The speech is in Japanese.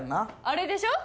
あれでしょ？